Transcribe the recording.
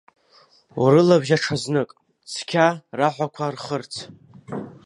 Урылабжьа ҽазнык, цқьа раҳәақәа рхырц.